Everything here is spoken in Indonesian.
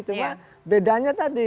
cuma bedanya tadi